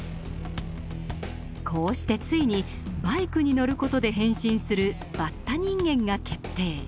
こうしてついにバイクに乗る事で変身するバッタ人間が決定。